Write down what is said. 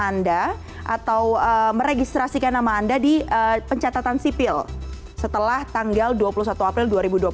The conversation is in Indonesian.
anda atau meregistrasikan nama anda di pencatatan sipil setelah tanggal dua puluh satu april dua ribu dua puluh satu